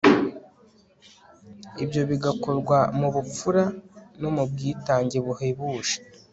ibyo bigakorwa mu bupfura no mu bwitange buhebuje